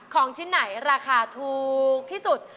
ของชิ้นไหนราคาถูกที่สุด